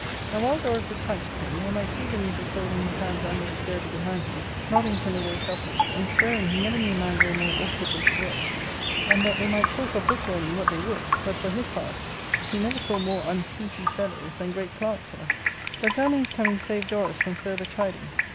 And, while Dorus was practising, one might see Dametas holding his hands under his girdle behind him, nodding froni the waist upwards, and swearing he never knew man go more awkwardly to work, and that they might talk of book ARCADIA.^Book IL 125 learning what they would, but, for his part, he never saw more unfeaty [clumsy] fellows than great clerks were. But Zelmane's coming saved Dorus from further chiding.